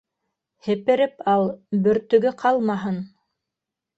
Һепереп ал, бөртөгө ҡалмаһын.